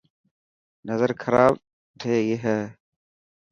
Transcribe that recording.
نظر خراب شي هي.